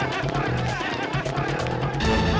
di mana dia